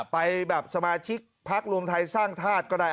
ไปแบบสมาชิกพักรวมไทยสร้างธาตุก็ได้